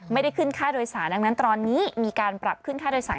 ไม่ได้ขึ้นค่าโดยสารดังนั้นตอนนี้มีการปรับขึ้นค่าโดยสาร